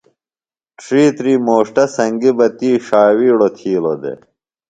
ڇِھیتری موݜٹہ سنگیۡ بہ تی ݜاوِیڑوۡ تِھیلوۡ دےۡ۔